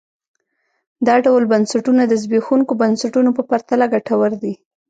دا ډول بنسټونه د زبېښونکو بنسټونو په پرتله ګټور دي.